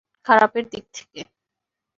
খারাপের দিক থেকে।